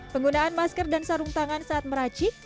penggunaan masker dan sarung tangan saat meracik